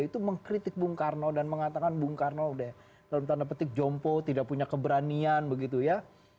itu mengkritik bung karno dan mengatakan bung karno udah dalam tanda petik jompo tidak punya keberanian begitu ya